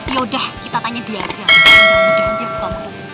yaudah kita tanya dia aja